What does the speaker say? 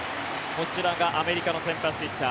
こちらがアメリカの先発ピッチャー